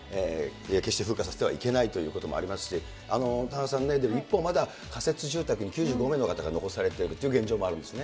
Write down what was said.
決して風化させてはいけないということもありますし、田中さんね、一方、まだ仮設住宅に９５名の方が残されているという現状もあるんです